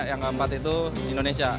yang keempat itu indonesia